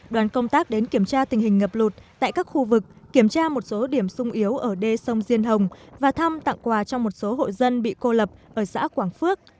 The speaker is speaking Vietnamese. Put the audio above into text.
đoàn công tác đến kiểm tra tình hình ngập lụt tại các khu vực kiểm tra một số điểm sung yếu ở đê sông diên hồng và thăm tặng quà cho một số hộ dân bị cô lập ở xã quảng phước